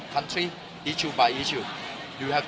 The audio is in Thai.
คุณคิดเรื่องนี้ได้ไหม